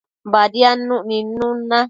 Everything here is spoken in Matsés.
Badiadnuc nidnun na